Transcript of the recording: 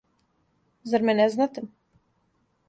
Зар ме не знате?